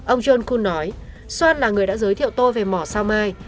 ông john kun nói soan là người đã giới thiệu tôi về mỏ sao mai